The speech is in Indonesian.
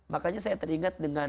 makanya saya teringat dengan